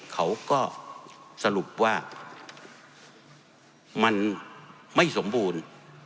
เขาก็สรุปว่ามันไม่สมบูรณ์